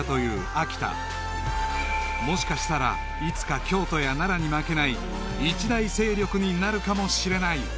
［もしかしたらいつか京都や奈良に負けない一大勢力になるかもしれない］